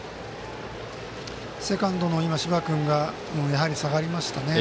セカンドの柴君がやはり下がりましたね。